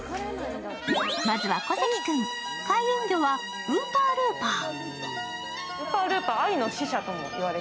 まずは小関君、開運魚はウーパールーパー。